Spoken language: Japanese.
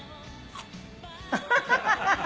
アハハハハ。